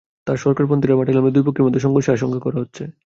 তবে সরকারপন্থীরা মাঠে নামলে দুই পক্ষের মধ্যে সংঘর্ষের আশঙ্কা করা হচ্ছে।